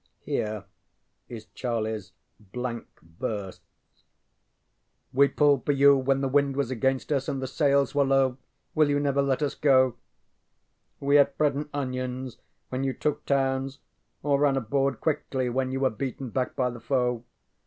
ŌĆØ Here is CharlieŌĆÖs ŌĆ£blank verseŌĆØ: ŌĆ£We pulled for you when the wind was against us and the sails were low. Will you never let us go? We ate bread and onions when you took towns or ran aboard quickly when you were beaten back by the foe.